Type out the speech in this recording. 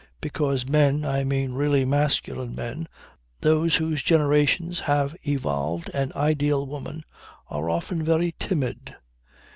Because men, I mean really masculine men, those whose generations have evolved an ideal woman, are often very timid.